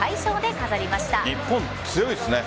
日本、強いですね。